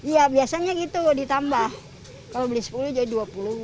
ya biasanya gitu ditambah kalau beli sepuluh jadi rp dua puluh